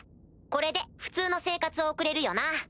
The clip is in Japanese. これで普通の生活を送れるよな？